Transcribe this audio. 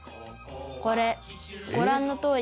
「これご覧のとおり」